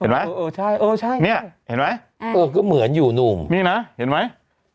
เออใช่เออใช่เนี่ยเห็นไหมเออก็เหมือนอยู่หนุ่มนี่นะเห็นไหม